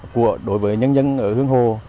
của đối với nhân dân ở hương hồ